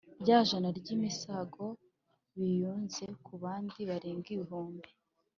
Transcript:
Rya jana n’imisago Biyunze ku bandi Barenga ibihumbi